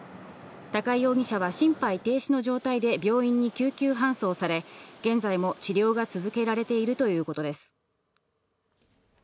高井容疑者は心肺停止の状態で病院に救急搬送され、現在も治療が続けられているということです。